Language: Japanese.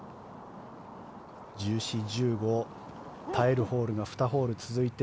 １４、１５耐えるホールが２ホール続いて